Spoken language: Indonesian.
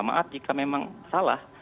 maaf jika memang salah